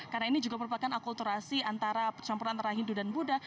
karena ini juga merupakan akulturasi antara percampuran antara hindu dan buddha